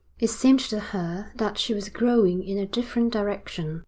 It seemed to her that she was growing in a different direction.